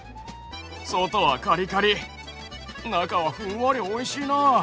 外はカリカリ中はふんわりおいしいなぁ。